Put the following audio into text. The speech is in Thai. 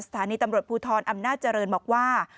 สถานีตำรวจภูทรอำนาจเจริญบอกว่า